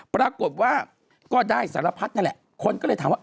ปรากฏว่าก็ได้สารพัดนั่นแหละคนก็เลยถามว่า